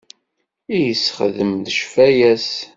I yessexdem d ccfaya-s.